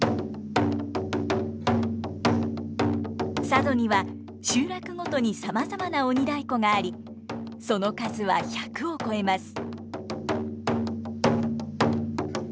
佐渡には集落ごとにさまざまな鬼太鼓がありその数は１００を超えます。